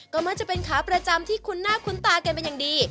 ก็ไม่ว่าจะเป็นค้าประจำที่คุ้นหน้าคุ้นตากันอย่างดี